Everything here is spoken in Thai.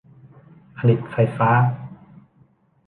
ผลิตไฟฟ้า